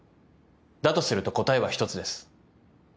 だとすると答えは一つです。